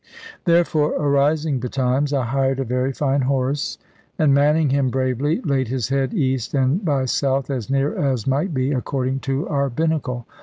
Therefore, arising betimes, I hired a very fine horse, and, manning him bravely, laid his head east and by south, as near as might be, according to our binnacle.